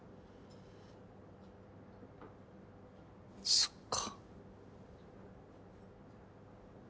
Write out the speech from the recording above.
そっか。